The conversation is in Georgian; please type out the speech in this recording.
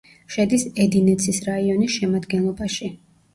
შედის ედინეცის რაიონის შემადგენლობაში.